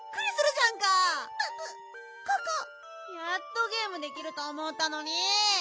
やっとゲームできるとおもったのに。